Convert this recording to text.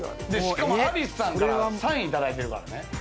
しかも、アリスさんからサインいただいてるからね。